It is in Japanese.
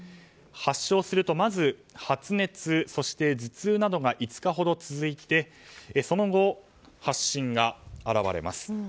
発症すると、まず発熱そして頭痛などが５日ほど続いてその後、発疹が現れます。